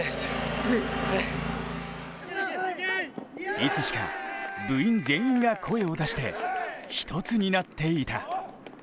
いつしか、部員全員が声を出して一つになっていた。